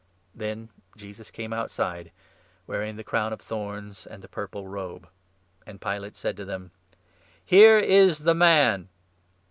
Then Jesus came outside, wearing the crown of thorns and 5 the purple robe ; and Pilate said to them :" Here is the man